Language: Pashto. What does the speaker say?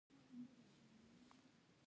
کوم حیوان په کور کې ساتئ؟